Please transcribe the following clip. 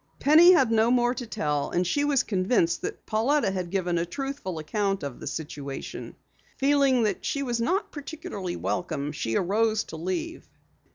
Penny had no more to tell, and she was convinced that Pauletta had given a truthful account of the situation. Feeling that she was not particularly welcome, she arose to leave.